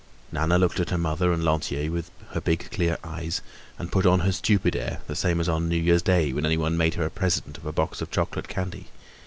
Nana looked at her mother and Lantier with her big, clear eyes and put on her stupid air, the same as on New Year's day when anyone made her a present of a box of chocolate candy.